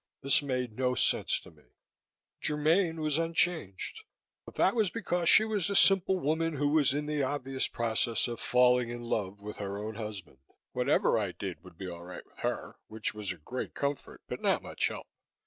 This made no sense to me. Germaine was unchanged but that was because she was a simple woman who was in the obvious process of falling in love with her own husband. Whatever I did would be all right with her, which was a great comfort but not much help.